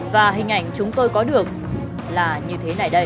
và hình ảnh chúng tôi có được là như thế này đây